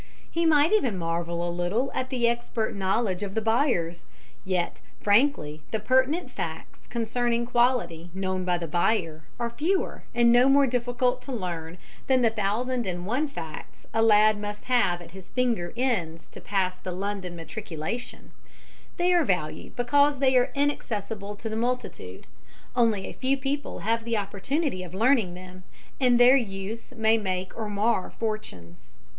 He might even marvel a little at the expert knowledge of the buyers; yet, frankly, the pertinent facts concerning quality, known by the buyer, are fewer and no more difficult to learn than the thousand and one facts a lad must have at his finger ends to pass the London Matriculation; they are valued because they are inaccessible to the multitude; only a few people have the opportunity of learning them, and their use may make or mar fortunes.